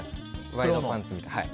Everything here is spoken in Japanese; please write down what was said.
ワイドパンツみたいな。